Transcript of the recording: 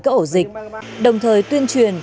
các ổ dịch đồng thời tuyên truyền